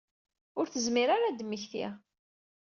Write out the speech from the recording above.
Ur tezmir ara ad d-temmekti.